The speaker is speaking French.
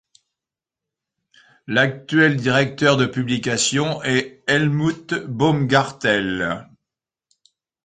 L'actuel directeurs de publication est Helmut Baumgärtel.